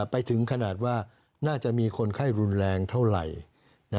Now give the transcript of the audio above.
ไปถึงขนาดว่าน่าจะมีคนไข้รุนแรงเท่าไหร่